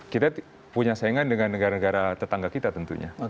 kita punya saingan dengan negara negara tetangga kita tentunya